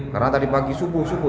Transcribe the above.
karena tadi pagi subuh subuh